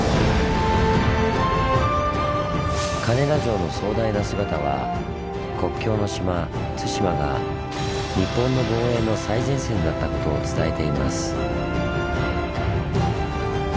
金田城の壮大な姿は国境の島・対馬が日本の防衛の最前線だったことを伝えています。